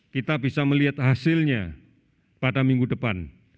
kita bisa melihat hasilnya pada minggu depan